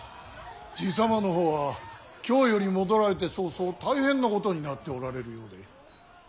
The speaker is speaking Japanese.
爺様の方は京より戻られて早々大変なことになっておられるようで。